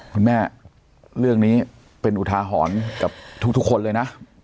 คุณแม่เรื่องนี้เป็นอุทาหรณ์กับทุกคนเลยนะ